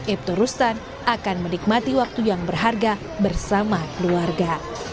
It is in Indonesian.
ibtu rustan akan menikmati waktu yang berharga bersama keluarga